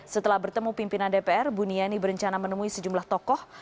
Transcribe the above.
setelah bertemu pimpinan dpr buniani berencana menemui sejumlah tokoh